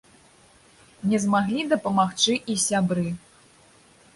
Не змаглі дапамагчы і сябры.